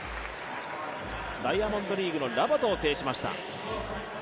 ダイヤモンドリーグのラバトを制しました。